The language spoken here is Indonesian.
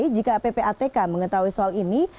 jika ppatk mengetahui soal ini